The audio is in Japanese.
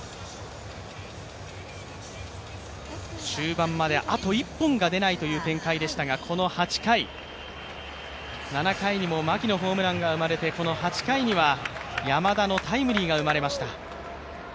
終盤まで、あと１本が出ないという展開でしたが７回にも牧のホームランが生まれてこの８回には山田のタイムリーが生まれました。